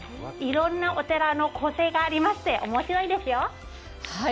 いろんなお寺の個性があって、おもしろいですよ。